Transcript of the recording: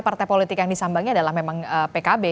partai politik yang disambangi adalah memang pkb